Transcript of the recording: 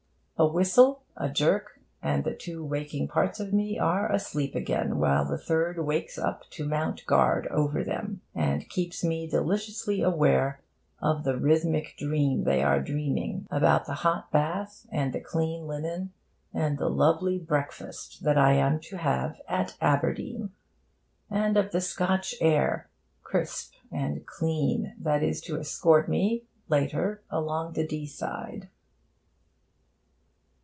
A whistle, a jerk, and the two waking parts of me are asleep again, while the third wakes up to mount guard over them, and keeps me deliciously aware of the rhythmic dream they are dreaming about the hot bath and the clean linen, and the lovely breakfast that I am to have at Aberdeen; and of the Scotch air, crisp and keen, that is to escort me, later along the Deeside.